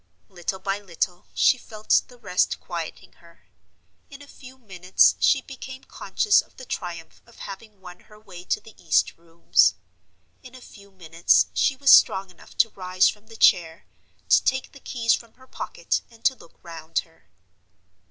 Little by little she felt the rest quieting her. In a few minutes she became conscious of the triumph of having won her way to the east rooms. In a few minutes she was strong enough to rise from the chair, to take the keys from her pocket, and to look round her.